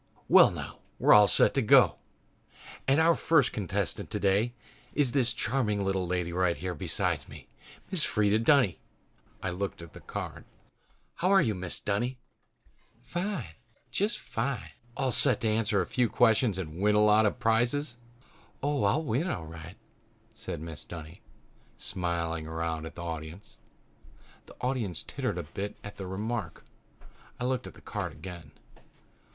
"Well, now, we're all set to go ... and our first contestant today is this charming little lady right here beside me. Mrs. Freda Dunny." I looked at the card. "How are you, Mrs. Dunny?" "Fine! Just fine." "All set to answer a lot of questions and win a lot of prizes?" "Oh, I'll win all right," said Mrs. Dunny, smiling around at the audience. The audience tittered a bit at the remark. I looked at the card again.